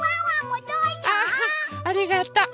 ありがとう。